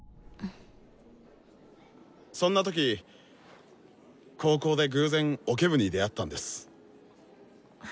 そんな時高校で偶然オケ部に出会ったんです。